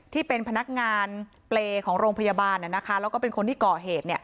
ที่เป็นพนักงานเปรย์ของโรงพยาบาลแล้วก็เป็นคนที่ก่อเหตุ